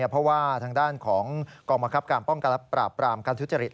เพราะว่าทางด้านของกองบังคับการป้องกันและปราบปรามการทุจริต